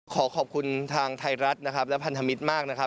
ขอขอบคุณทางไทยรัฐและพันธมิตรมาก